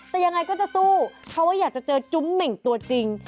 แต่ยังไงก็จะสู้เพราะว่าอยากจะเจอจุ้มเหม่งตัวจริง